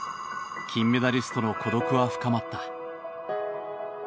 金メダリストの孤独は深まった。